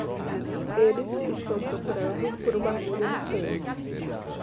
Eles estão procurando por uma agulha no feno.